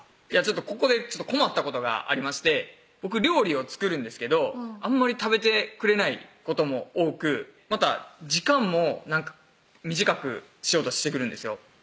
ここで困ったことがありまして僕料理を作るんですけどあんまり食べてくれないことも多くまた時間も短くしようとしてくるんですよ